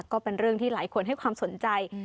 ก็เป็นเรื่องที่หลายคนให้ความสนใจ